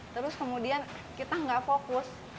terus kemudian kita nggak fokus